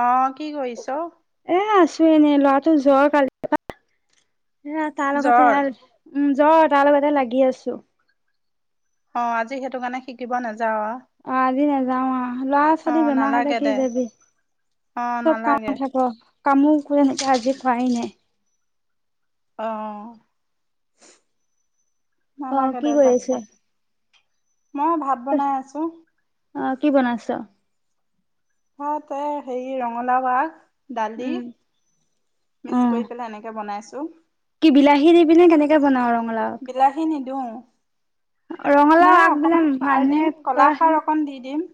অ কি কৰিছ? এ আছোঁ এনেই, ল'ৰাটো জ্বৰ কালিৰ পা। এ তাৰ লগতে জ্বৰ আৰু, উম জ্বৰ তাৰ লগতে লাগি আছোঁ। অ আজি সেইটো কাৰণে শিকিব নাযাওঁ আও। অ আজি নাযাওঁ আও ল'ৰা ছোৱালী বেমাৰ হলে নালাগে কি দে যাবি, অ চব নালাগে কাম থাক। কামো কৰে সেনেকে আজি কৰাই নাই। অ অ অ অ নালাগে দে কি কৰি যাবলৈ আছে? মই ভাত বনাই আছোঁ। অ কি বনাইছ? ভাত এ হেৰি ৰঙালাও আগ দালি উম অ মিক্স কৰি পেলাই এনেকে বনাইছোঁ। কি বিলাহী দিবি নে কেনেকে বনাও ৰঙালাও বিলাহী নিদো। ৰঙালাও আগ বিলাক সাৰ দিম মানুহে কলা কয় খাৰ অকণ দি দিম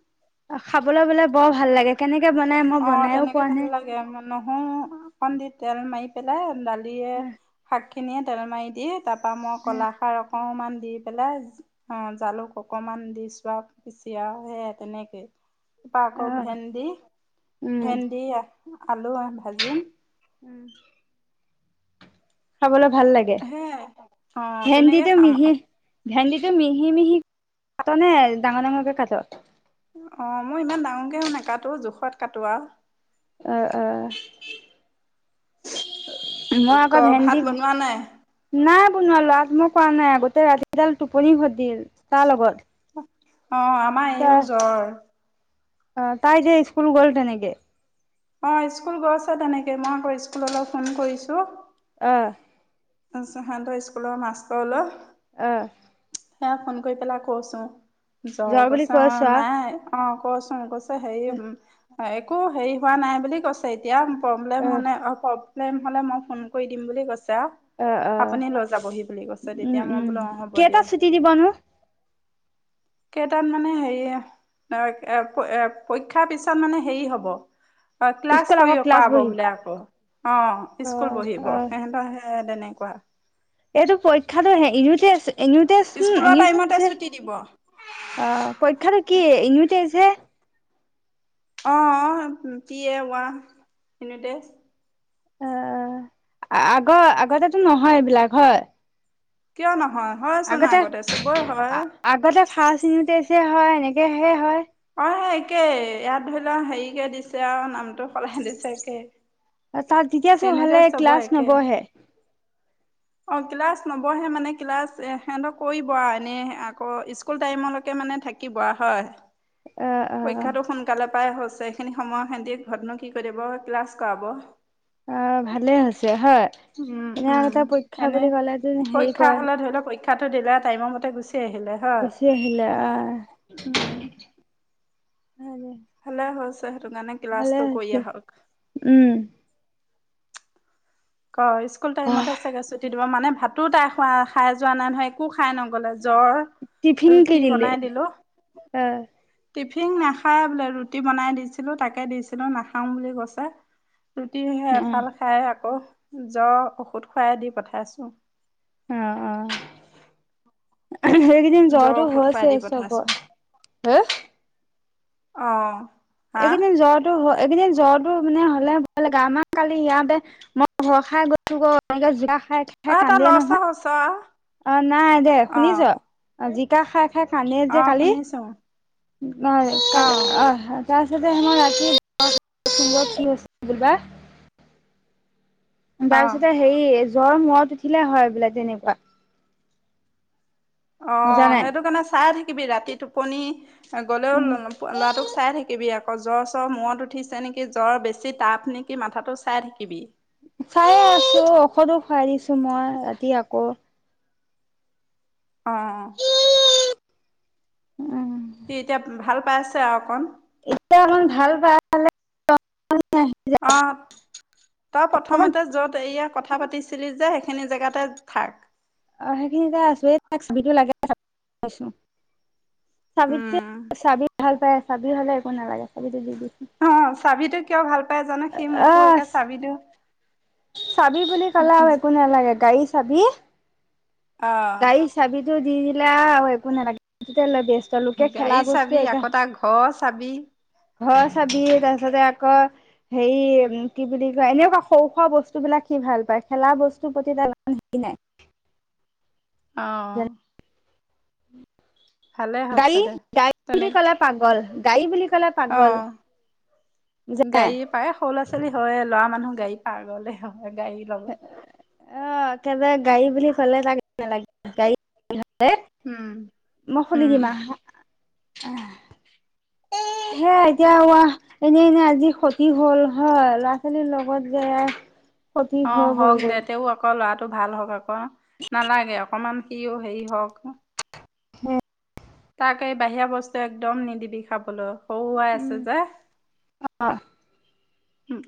অ খাবলে বোলে বৰ ভাল লাগে কেনেকে বনাই অ মই বনাইও তেনেকে পোৱা ভাল নাই। লাগে নহৰু অকণ দি তেল মাৰি পেলাই দালিয়ে শাক এনেখিনিয়ে তেল মাৰি দিয়ে, তাৰপৰা মই ক'লাখাৰ অকণমান দি পেলাই অ, জালুক অকমান দি চোৱা পিচি আৰু সেই তেনেকে। অ, আকৌ অ ভেন্দি- উম ভেন্দি আলু ভাজিম। উম। খাবলৈ ভাল লাগে। সেইয়াই, অ, তেনেকে ভেন্দিটো খাম মিহি আৰু। ভেন্দিটো মিহি- মিহি কাট নে ডাঙৰ- ডাঙৰকে কাট? অ, মই ইমান ডাঙৰকেও নাকাটো জোখত কটো আৰু। উ- উ। মই আকৌ ক ভাত ভেন্দি বনোৱা নাই নাই বনোৱা, আজি মই কৰা নাই আগতে ৰাতিডাল টোপনি খতি কাৰ লগত? অ, আমাৰ তাৰ এইও জ্বৰ। অ, তাই যে স্কুল গ'ল তেনেকে? অ, স্কুল গৈছে তেনেকে, মই আকৌ স্কুলৈ ফোন কৰিছো। অ। তাৰপিচত সিহঁতৰ স্কুলৰ মাষ্টৰলৈ। আহ। সেইয়া ফোন কৰি পেলাই কৈছোঁ, জ্বৰ যোৱা বুলি বচা কৈছো আৰু নাই অ, কচোন কৈছোঁ। হেৰি একো, হেৰি হোৱা নাই বুলি কৈছে এতিয়া। প্ৰব্লেম হ'লে, অ, প্ৰব্লেম হ'লে 'মই ফোন কৰি দিম' বুলি কৈছে আৰু। অ' অ'। 'আপুনি লৈ যাবহি' বুলি কৈছে, তেতিয়া মই বোলো অ, হ'ব দিয়ক। বনো কেইটাত মানে হেৰি, এ পৰীক্ষাৰ পিছত মানে হেৰি হ'ব। অ, ক্লাছ স্কুল কৰি আকৌ অ, ক্লাছ কৰাব বহি বোলে আকৌ। অ, স্কুল অ' বহিব। অ'। সিহঁতৰে এ তেনেকুৱা। এইটো পৰীক্ষাটো ইউনিটেষ্ট- ইউনিটেষ্ট স্কুলৰ হে টাইমতে আছে। ছুটি দিব অ, পৰীক্ষাটো কি ইউনিটেষ্ট হে? অঁ পি এ ৱাহ, ইউনিটেষ্ট। অ, আগৰ আগতেটো নহয়, এইবিলাক হয়? কিয় নহয়, হয়চোন আগতে চবৰে হয়। আগতে ফাৰ্ষ্ট ইউনিট টেষ্টহে হয়, এনেকৈহে হয়। অ, সেই একেই ইয়াত ধৰি লোৱা হেৰি কে দিছে আৰু, নামটো সলাই দিছে একেই। তাত ঠিকে আছে ভালদৰে ক্লাছ একে নবহে। অ, ক্লাছ নম্বৰহে মানে, ক্লাছ সিঁহত কৰিব আৰু এনে আকৌ স্কুল স্কুল টাইমলৈকে মানে থাকিব হয়। অ- অ। শিক্ষাটো সোনকালে পায় হৈছে। এইখিনি সময় সিহঁতে ঘৰতনো কি কৰিব, ক্লাছ কৰাব। অ, ভালে হৈছে হয়। উম, এনে উম, আগতে পৰীক্ষা এনে বুলি ক'লেতো হেৰি পৰীক্ষা কয় হলে ধৰি লও, পৰীক্ষা পৰীক্ষাটো দিলা, টাইমৰ মতে গুচি আহিলে। হয় গুচি আহিলে আহ। উম ভালে হৈছে, সেইটো কাৰণে ভালে ক্লাছটো কৰি হৈছে, আহক। উম। অ, স্কুল টাইমতে চাগে ছুটি দিব। মানে ভাতো তাই খোৱা খাই যোৱা নাই নহয়, একো খাই নগল। বলে জ্বৰ, টিফিন কি ৰুটি দিলে বনাই দিলো। অ, টিফিন নাখাই বোলে ৰুটি বনাই দিছিলোঁ তাকে দিছিলোঁ নাখাও বুলি কৈছে। ৰুটি অ এফাল খাই আকৌ জ্বৰ ঔষধ খাই দি পঠাইছো। অ অ হেৰি উম জ্বৰ জ্বৰটো ঔষধ খুৱাই হৈছে দি পঠাইছোঁ চবৰ, হা অ, এইকেইদিন জ্বৰটো এইকেইদিন জ্বৰটো মানে হ'লে ভয় লাগে আমাৰ কালি ইয়াতে মই ভয় খাই গৈছো এনেকে জিয়া খাইছোঁ। অ খাই তই কান্দিয়ে লৰচৰ নহয় হৈছ অ নাই দে অ শুনিছ। অ জিকা খাই খাই কান্দৰে অ যে কালি শুনিছোঁ। অ কি অ হয়? তাৰ পিছতে মই কি হৈছে বুলি বা? তাৰ অ পিছতে হেৰি জ্বৰ মূৰত উঠিলে হয় বোলে তেনেকুৱা অ বুজা নাই সেইটো কাৰণে চাই থাকিবি ৰাতি টোপনি আগলেও উম ল'ৰাটোক চাই থাকিবি আকৌ জ্বৰ - চ্বৰ মূৰত উঠিছে নেকি জ্বৰ বেছি তাপ নেকি? কি মাথাটো চাই থাকিবি? চায়ে আছো ঔষধো খুৱাই দিছো মই ৰাতি আকৌ অ, অ, উম সি এতিয়া ভাল পাই আছে আৰু অকণ এতিয়া অকমান ভাল পাই অ, তই অকমান প্ৰথমতে য'ত এয়া কথা পাতিছিলি যে সেইখিনি জেগাতে থাক অ সেইখিনিতে আছো এই টো লাগে চাবিটো উম চাবি ভাল পায়? চাবি হ'লে একো নালাগে চাবিতো দি দিছোঁ। অ চাবিতো কিয় ভাল পাই জানো সি মোকো আহ একে চাবিটো। চাবি বুলি কলে আৰু একো নালাগে গাড়ীৰ চাবি অ গাড়ীৰ চাবিতো দি দিলে আৰু একো নালাগে লৈ ব্যস্ত লোকে খেলা বস্তু এগাল অ চাবি হয় চাবি তাৰ পাছতে আকৌ হেৰি কি বুলি কয় এনেকুৱা সৰু খোৱা বস্তুবিলাক সি ভাল পায় খেলা বস্তুৰ প্ৰতি তাৰইমান হেৰি নাই। অ, ভালে হৈছে গাড়ী দে গাড়ী বুলি তেনেকে কলে পাগল গাড়ী বুলি কলে পাগল যে প্ৰায় সৰু ল'ৰা ছোৱালী হয় লৰা মানুহ গাড়ী পাগলে হয় গাড়ী লব অ একবাৰে গাড়ী বুলি ক'লে তাক একো নালাগে। গাড়ী হলে উম মই খুলি উম দিম আহা। সে এতিয়া এনেই এনে আজি ক্ষতি হ'ল হয় ল'ৰা-ছোৱালীৰ লগত যে ক্ষতি অ হৈ হওক গ'লগৈ দে অকৌ ল'ৰাটো ভাল হওঁক আকৌ নালাগে অকমান সিও হেৰি হওক উম। তাক এই বাহিৰা বস্তু একদম নিদিবি খাবলে সৰু হয় আছে যে অ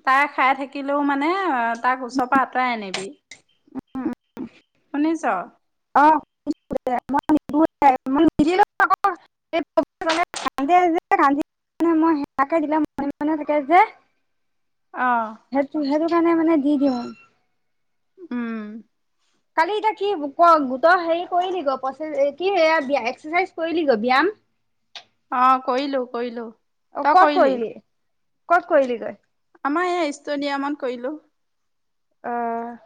তাই খাই থাকিলেও মানে তাক ওচৰৰ পৰা আঁতৰাই আনিবি শুনিছ অ শুনিছো মই নিদিও এ মই নিদিলেও আকৌ মানে কান্দে যে কান্দিলে মানে মই সেইয়াকে দিলে মনে-মনে থাকে যে। অ' সেইটো, সেইটো কাৰণে মানে দি দিওঁ। উম' কালি এতিয়া কি হ'ব ক গোটৰ হেৰি কৰিলি গৈ, কি এইয়া এক্সাৰচাইজ কৰিলি গৈ ব্যায়াম? অ' কৰিলোঁ-কৰিলোঁ। অ' ক'ত কৰিলি? ক'ত কৰিলি গৈ? আমাৰ এই টেষ্টডিয়ামত কৰিলোঁ। অ'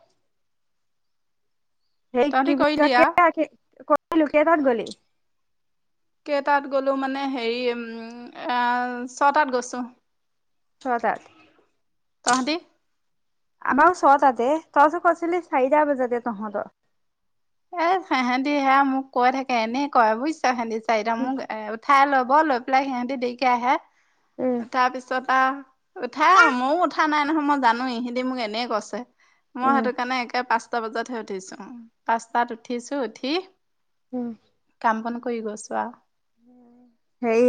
[unintelligible] সেই কি তহঁতি বুলি কৰিলি আও কয় কেইটাত গ'লি? কেইটাত গ'লো মানে হেৰি উম' এইয়া ছটাত গৈছোঁ। ছয়টা তহঁতি আমাৰ ছয়টা তে, তই যে কৈছিলি চাৰিটা বজাতে তহঁতৰ। এ সিহঁতে সেইয়া মোক কৈ থাকে, এনে কয় বুজিছোঁ সিহঁতে চাৰিটা উম মোক এ খায় ল'ব, লৈ পেলাই সিহঁতে দেৰিকৈ আহে। উম' তাৰ পিছত আৰু উঠাই, মইও উঠা নাই নহয়, মই জানোঁ ইহঁতে মোক এনেই কৈছে। মই উম সেইটো কাৰণে একে পাঁচটা বজাতহে উঠিছোঁ, পাঁচটাত উঠিছোঁ উঠি উম' কাম-বন কৰি গৈছোঁ আও সেই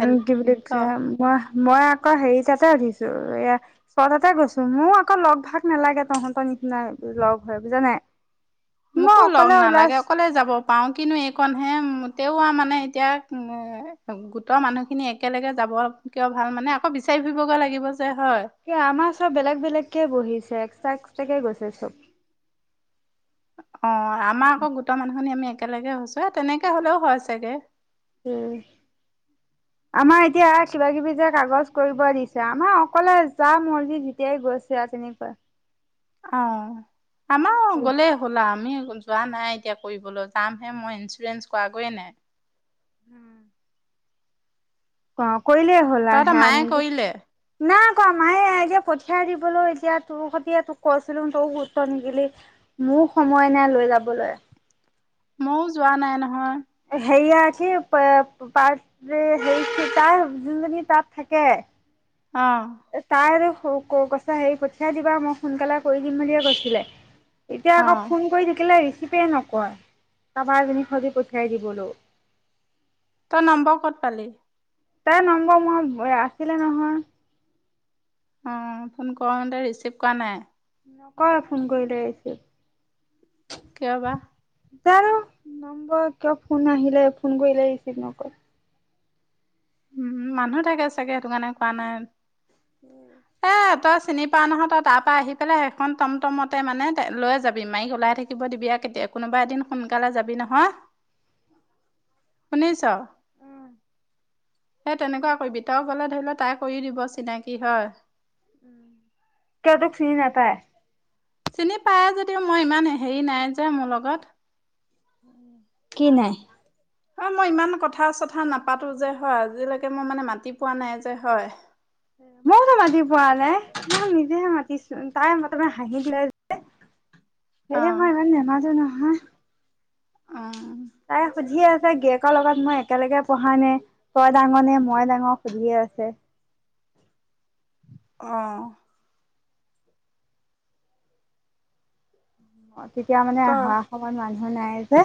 উম' কি বুলি কৈছে? ক মই-মই আকৌ হেৰি তাতে উঠিছোঁ এইয়া ছয়টাতে গৈছোঁ, মোৰ আকৌ লগ ভাগ নালাগে, তহঁতৰ নিচিনা লগ হৈ বুজা নাই। মই মোকো লগ অকলে নালাগে ওলাইছ অকলে যাব। পাওঁ কিন্তু এইকণহে, তেওঁ আৰু মানে এতিয়া গোটৰ মানুহ খিনি একেলগে যাব কিয় ভাল মানে আকৌ বিচাৰি ফুৰিবগৈ লাগিব যে হয়। এ আমাৰ সব বেলেগ-বেলেগকে বহিছে, এক্সট্ৰা-এক্সট্ৰাকে গৈছে সব। অ' আমাৰ আকৌ গোটৰ মানুহখিনি আমি একেলগে হৈছোঁ, তেনেকে হ'লেও হয় চাগে। উম' [inaudible] আমাৰ এতিয়া কিবা-কিবি যে কাগজ কৰিব দিছে, আমাৰ অকলে যা মৰ্জি যেতিয়াই গৈছে। [unintelligible] তেনেকুৱা অ' [unintelligible] আমাৰো গ'লে গ'লা, আমি যোৱা নাই এতিয়া কৰিবলৈ, যামহে মই ইঞ্চুৰেঞ্চ কৰাগৈয়ে নাই। উম' অ' কৰিলে হ'ল তহঁতৰ সেইয়া মায়ে নিজে কৰিলে নাই কোৱা, মায়ে এতিয়া পঠিয়াই দিবলৈ এতিয়া তোৰ সৈতে তোক কৈছিলোঁ, তইয়ো গুৰুত্ব নিদিলি। মোৰ সময় নাই লৈ যাবলৈ। মইও যোৱা নাই নহয়। সেইয়া কি পাৰ্ট যে হেই তাৰ যোনজনী তাত থাকে। অ' তাই আৰু [unintelligible] হেৰি পঠিয়াই দিবা, মই সোনকালে কৰি দিম বুলিয়ে কৈছিলে। এতিয়া অ আকৌ ফোন কৰি থাকিলে ৰিচিভেই নকৰে, কাৰোবাৰ এজনী সৈতে পঠিয়াই দিবলৈ। তই নম্বৰ ক'ত পালি? তাই নম্বৰ মই আছিলে নহয়। অ, ফোন কৰোতে, ৰিচিভ কৰা নাই। ক'ৰ ফোন কৰিলে ৰিচিভ। কিয় বা? জানো, নম্বৰ কিয় ফোন আহিলে, ফোন কৰিলে ৰিচিভ নকৰে। উম, মানুহ থাকে চাগে, সেইটো কাৰণে উঠোৱা নাই। উম, এই, তই চিনি পোৱা নহয়, তই তাৰ পৰা আহি পেলাই সেইখন টমটমতে, মানে লৈ যাবি মায়েক ওলাই থাকি থাকিব দিবি কেতিয়া কোনোবা এদিন সোনকালে যাবি নহয়, শুনিছ? সেই তেনেকুৱা কৰিবি, তই গলে ধৰি ল, তাই কৰি দিব চিনাকি হয়। কিয়, তোক চিনি নাপায়? চিনি পায় যদিও, মই ইমান হেৰি নাই যে, মোৰ লগত। উম, কি নাই? হয়, মই ইমান কথা-চথা নাপাতো যে হয়, আজিলৈকে মই মানে মাতি পোৱা নাই যে হয়। ময়তো মাতি পোৱা নাই, মই নিজেহে মাতিছো তাই প্ৰথমে হাঁহি লয় যে। অ হে, মই ইমান নামাটো নহয়। উম, তাই সুধিয়ে আছে, গিয়েকৰ লগত মই একেলগে পঢ়া নে? তই ডাঙৰ নে, মই ডাঙৰ, সুধিয়ে আছে। অ, অ, তেতিয়া মানে ক অহা, সময়ত মানুহ নাই যে।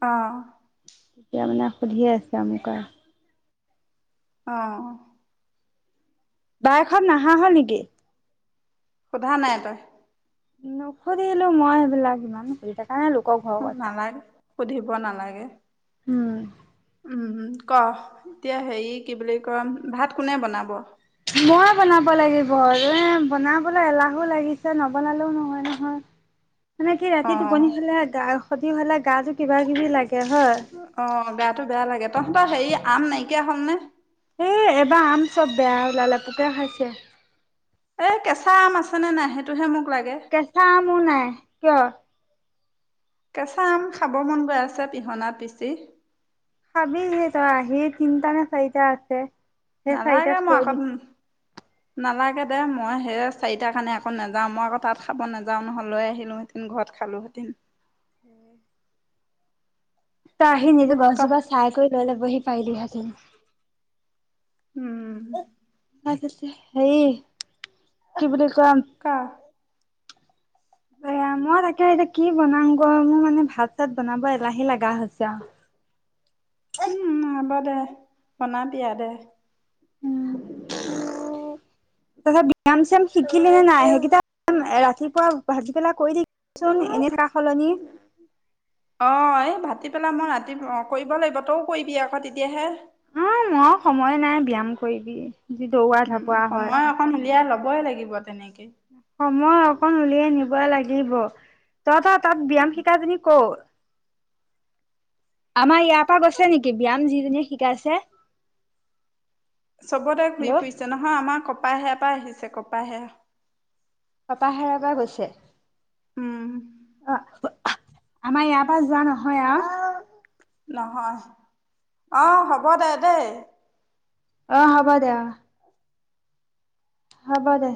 অ, এতিয়া মানে, সুধিয়ে আছে মোক আৰু। অ, বায়েক হ'ত নাহা হ'ল নেকি? সুধা নাই তই? নুসুধিলো মই, সেইবিলাক ইমান নাই লোকৰ ঘৰৰ অ, কথা। নালাগে, সুধিব নালাগে। উম, উম, উম, ক'হ এতিয়া হেৰি কি বুলি কয়, ভাত কোনে বনাব? মই বনাব লাগিব, এ, বনাবলৈ এলাহো লাগিছে নবনালেও নহয়, নহয়। মানে কি অ ৰাতি টোপনি হ'লে, গা, ক্ষতি হ'লে গাটো কিবা- কিবি লাগে হয়। অ, গাটো বেয়া লাগে, তহঁতৰ হেৰি আম নাইকিয়া হ'ল নে? এই এবাৰ আম চব, বেয়া ওলালে পোকে খাইছে। এই, কেঁচা আম আছেনে নাই, সেইটোহে মোক লাগে। কেচাঁ আমো নাই, কিয়? কেঁচা আম, খাব মন গৈ আছে পিহনাত পিচি। খাবিহি তই আহি, তিনটা নে, চাৰিটা আছে। সেই নালাগে চাৰিটাত মই থৈ আকৌ দিছে নালাগে দে, মই সেই চাৰিটাৰ কাৰণে আকৌ নাযাও, মই আকৌ তাত খাব নাযাও নহয়, লৈ আহিলো উম, ঘৰত খালো হতি। [unintelligible] ত, আহি নিজে ক গছজোপা, চাই কৰি লৈ ল'বহি পাৰিলিহেঁতেন। উম হেই কি বুলি কম? ক বেয়া মই তাকে এতিয়া কি বনাওঁগৈ মোৰ মানে ভাত চাত বনাব এলাহে লাগা হৈছে আৰু। উম হ'ব দে বনাবি আৰু দে। [inaudible] উম, তাৰপাছত ব্যয়াম চ্যায়াম শিকিলি নে নাই সেইকেইটা ৰাতিপুৱা ভাটিবেলা কৰি থাকিবিচোন এনে থাকা সলনি। অঁ এই ভাটিবেলা মই ৰাতি অঁ কৰিব লাগিব তইও কৰিবি আকৌ তেতিয়াহে। উম মোৰ সময় নাই ব্যায়াম কৰিবি। যি দৌৰা উম ঢাপৰা হয়। সময় অকন উলিয়াই ল'বই লাগিব তেনেকে। সময় অকণ উলিয়াই নিব লাগিব [unintelligible] তাত ব্যায়াম শিকাজনী ক'ৰ, আমাৰ ইয়াত [unintelligible] গৈছে নেকি ব্যায়াম যিজনীয়ে শিকাইছে। চবতে ঘূৰি হেল্ল' ফুৰিছে নহয় আমাৰ কপাহেয়াৰ পৰা আহিছে কপাহেয়া। কপাহেয়াৰ পৰা গৈছে উম আহ। আমাৰ ইয়াৰ পৰা যোৱা নহয় আৰু। নহয় অহ হ'ব দে দেই। অ হব দে অ। হ'ব দে।